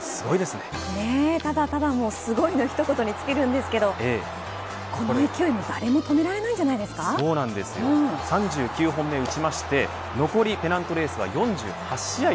ただただすごいの一言に尽きるんですけどこの勢いは、誰も３９本目を打ちまして残りペナントレースは４８試合。